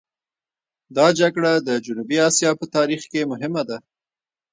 دا جګړه د جنوبي اسیا په تاریخ کې مهمه ده.